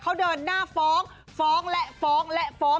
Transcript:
เขาเดินหน้าฟ้องฟ้องและฟ้องและฟ้อง